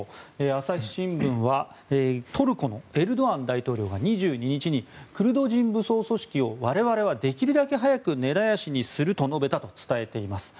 朝日新聞はトルコのエルドアン大統領が２２日にクルド人武装組織を我々はできるだけ早く根絶やしにすると述べたと伝えています。